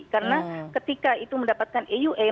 karena ketika itu mendapatkan approval